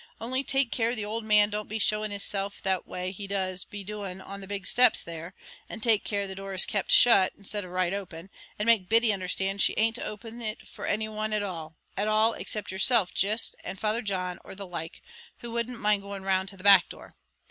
Only take care the owld man don't be showing hisself that way he does be doing on the big steps there; and take care the door is kept shut, instead of right open; and make Biddy understand she an't to open it for any one at all, at all except yerself jist, and Father John, or the like, who wouldn't mind going round to the back door.